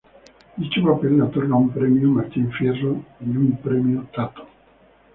Dicho papel le otorga un Premio Martín Fierro y un Premio Tato.